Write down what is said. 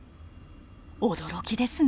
驚きですね。